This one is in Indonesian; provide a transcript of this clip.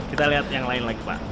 kita lihat yang lain lagi pak